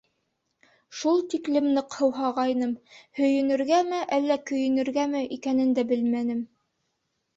Шул тиклем ныҡ һыуһағайным, һөйөнөргәме әллә көйөнөргәме икәнен дә белмәнем.